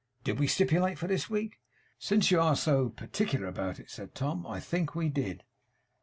Did we stipulate for this week?' 'Since you are so particular about it,' said Tom, 'I think we did.